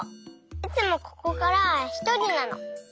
いつもここからはひとりなの。